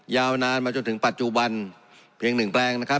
ยาวนานมาจนถึงปัจจุบันเพียงหนึ่งแปลงนะครับ